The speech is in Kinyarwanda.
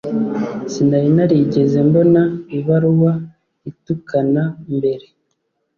Sinari narigeze mbona ibaruwa itukana mbere.